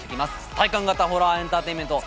体感型ホラーエンターテインメント